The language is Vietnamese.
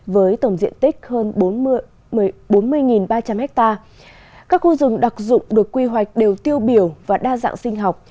với tổng diện tích hơn bốn mươi ba trăm linh ha các khu rừng đặc dụng được quy hoạch đều tiêu biểu và đa dạng sinh học